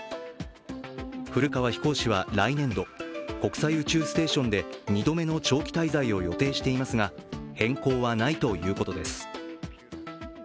古川飛行士は来年度、国際宇宙ステーションで２度目の長期滞在を予定していますが、変更はないということです。